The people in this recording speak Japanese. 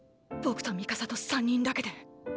僕とミカサと３人だけで。